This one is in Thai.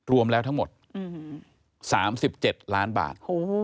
รวมแล้วทั้งหมด๓๗ล้านบาท